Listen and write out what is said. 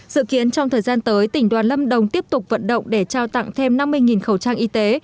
dự kiến trong thời gian tới tỉnh đoàn lâm đồng tiếp tục vận động để trao tặng thêm năm mươi khẩu trang y tế